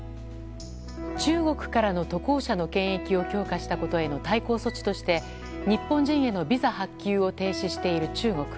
中国からの渡航者の検疫を強化したことへの対抗措置として日本人へのビザ発給を停止している中国。